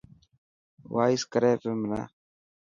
وائس ڪري پيو منا.